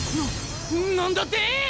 な何だって！？